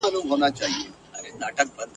بله لار نسته دا حکم د ژوندون دی !.